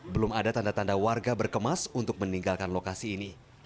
belum ada tanda tanda warga berkemas untuk meninggalkan lokasi ini